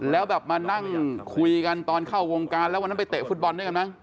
แล้วแบบมานั่งคุยกันตอนเข้าวงการแล้ววันนั้นไปเตะฟุตบอลด้วยกันมั้